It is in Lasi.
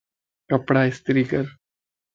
ڪپڙا استري ڪَر